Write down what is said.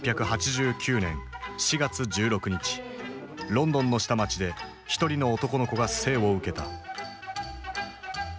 ロンドンの下町で一人の男の子が生をうけた。